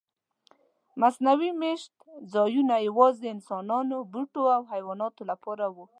مصنوعي میشت ځایونه یواځې انسانانو، بوټو او حیواناتو لپاره و.